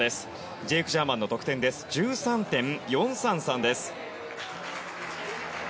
ジェイク・ジャーマンの得点は１３．４３３です。